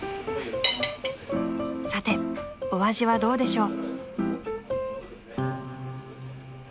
［さてお味はどうでしょう？］